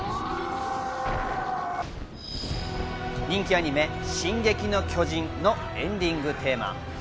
人気アニメ『進撃の巨人』のエンディングテーマ。